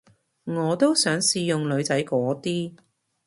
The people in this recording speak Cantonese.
我都想試用女仔嗰啲